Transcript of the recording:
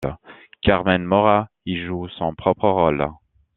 Carmen Maura y joue son propre rôle.